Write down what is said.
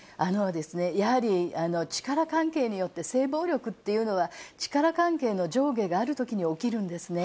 やはり力関係によって性暴力っていうのは、力関係の上下があるときに起きるんですね。